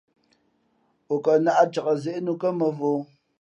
O kαʼ nāʼ cak zě nǔkά mᾱvǒ.